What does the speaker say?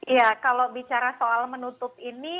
iya kalau bicara soal menutup ini